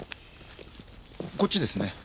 こっちですね。